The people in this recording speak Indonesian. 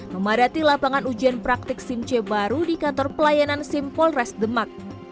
memadati lapangan ujian praktik sim c baru di kantor pelayanan sim polres demak